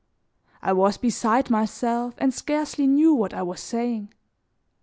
I was beside myself and scarcely knew what I was saying.